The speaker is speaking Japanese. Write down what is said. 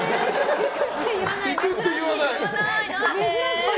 行くって言わない！